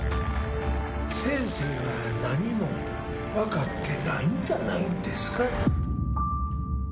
先生は何も分かってないんじゃないですか。